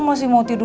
masih mau tidur